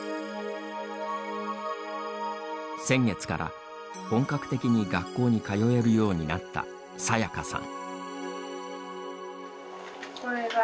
先月から、本格的に学校に通えるようになったさやかさん。